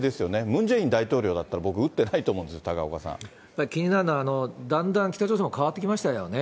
ムン・ジェイン大統領だったら、僕撃ってないと思気になるのは、だんだん北朝鮮も変わってきましたよね。